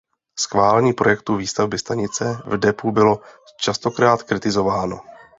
Schválení projektu výstavby stanice v depu bylo častokrát kritizováno.